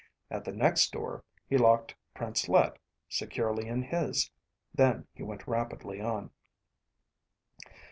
At the next door, he locked Prince Let securely in his. Then he went rapidly on.